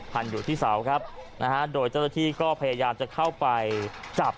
พันอยู่ที่เสาครับนะฮะโดยเจ้าหน้าที่ก็พยายามจะเข้าไปจับ